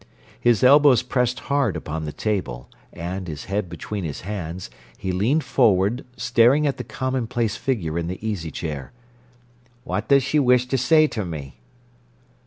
His elbows pressed hard upon the table, and, his head between his hands, he leaned forward, staring at the commonplace figure in the easy chair. "What does she wish to say to me?"